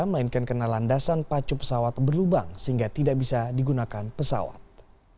melainkan karena landasan pacu pesawat berlubang sehingga tidak bisa digunakan pesawat